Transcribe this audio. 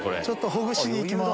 ほぐしにいきます。